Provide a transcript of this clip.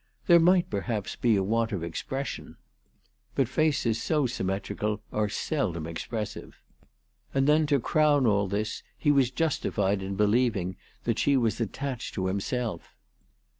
There might perhaps be a want of expression ; but faces so symmetrical are seldom expressive. And then, to crown all this, he was justified in believing that she was attached to himself.